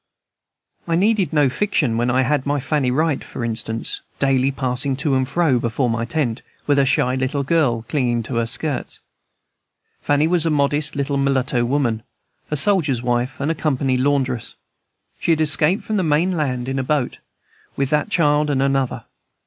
I needed no fiction when I had Fanny Wright, for instance, daily passing to and fro before my tent, with her shy little girl clinging to her skirts. Fanny was a modest little mulatto woman, a soldier's wife, and a company laundress. She had escaped from the main land in a boat, with that child and another.